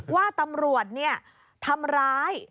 ว่าตำรวจทำร้าย